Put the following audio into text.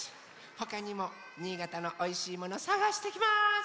ほかにも新潟のおいしいものさがしてきます！